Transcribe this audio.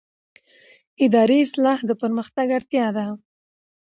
اداري اصلاح د پرمختګ اړتیا ده